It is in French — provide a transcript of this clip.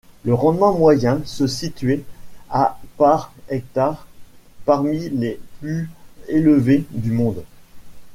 Le rendement moyen se situait à par hectare, parmi les plus élevés du monde.